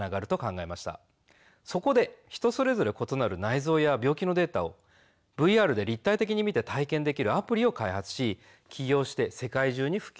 そこで人それぞれ異なる内臓や病気のデータをＶＲで立体的に見て体験できるアプリを開発し起業して世界中にふきゅうをしました。